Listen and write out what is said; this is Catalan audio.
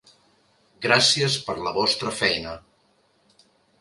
Gràcies per la vostra feina.